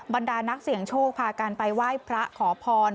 บรรดานักเสี่ยงโชคพากันไปไหว้พระขอพร